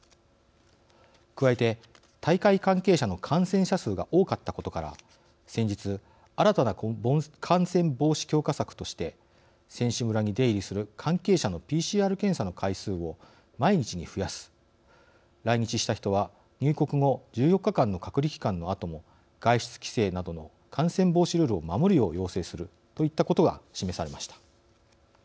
加えて、大会関係者の感染者数が多かったことから先日新たな感染防止強化策として選手村に出入りする関係者のＰＣＲ検査の回数を毎日に増やす来日した人は入国後１４日間の隔離期間のあとも外出規制などの感染防止ルールを要請するといったことが示されました。